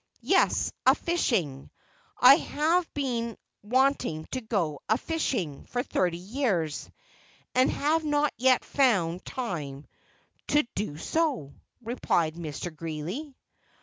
"Yes, a fishing; I have been wanting to go a fishing for thirty years, and have not yet found time to do so," replied Mr. Greeley.